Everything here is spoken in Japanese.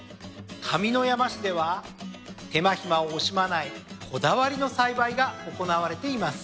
上山市では手間暇を惜しまないこだわりの栽培が行われています。